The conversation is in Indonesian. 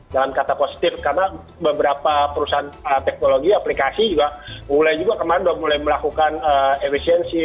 dalam kata positif karena beberapa perusahaan teknologi aplikasi juga mulai juga kemarin sudah mulai melakukan efisiensi